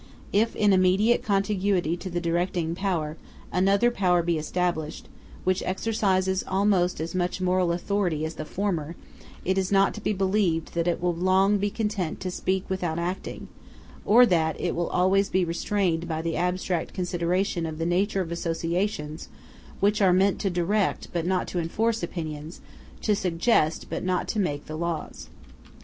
If, in immediate contiguity to the directing power, another power be established, which exercises almost as much moral authority as the former, it is not to be believed that it will long be content to speak without acting; or that it will always be restrained by the abstract consideration of the nature of associations which are meant to direct but not to enforce opinions, to suggest but not to make the laws.